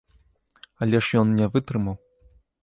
Але ж ён не вытрымаў.